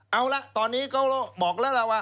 เอาละตอนนี้ก็บอกแล้วล่ะว่า